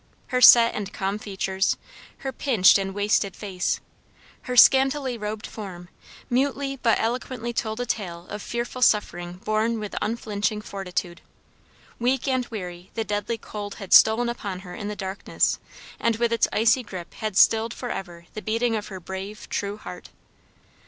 Her set and calm features, her pinched and wasted face, her scantily robed form, mutely but eloquently told a tale of fearful suffering borne with unflinching fortitude. Weak and weary, the deadly cold had stolen upon her in the darkness and with its icy grip had stilled for ever the beating of her brave true heart.